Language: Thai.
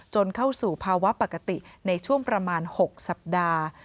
เข้าสู่ภาวะปกติในช่วงประมาณ๖สัปดาห์